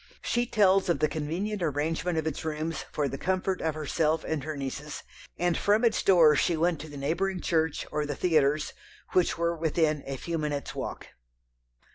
She tells of the convenient arrangement of its rooms for the comfort of herself and her nieces, and from its door she went to the neighbouring church, or the theatres, which were within a few minutes' walk.